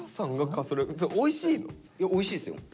おいしいっすよ。